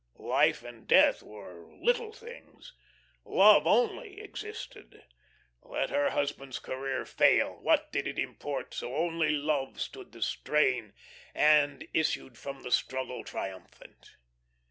Life and death were little things. Love only existed; let her husband's career fail; what did it import so only love stood the strain and issued from the struggle triumphant?